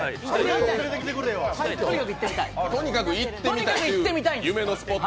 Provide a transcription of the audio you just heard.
とにかく行ってみたいんです。